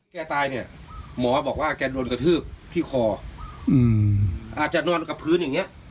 ตายเนี่ยหมอบอกว่าแกโดนกระทืบที่คออืมอาจจะนอนกับพื้นอย่างเงี้ย